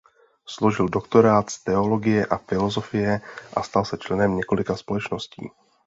Složil doktorát z teologie a filozofie a stal se členem několika společností.